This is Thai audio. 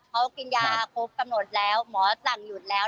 เขากินยาครบกำหนดแล้วหมอสั่งหยุดแล้ว